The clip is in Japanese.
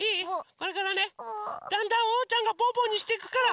これからねだんだんおうちゃんのぽぅぽにしていくから。